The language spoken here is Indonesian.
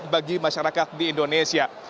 bagi masyarakat di indonesia